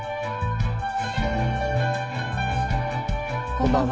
こんばんは。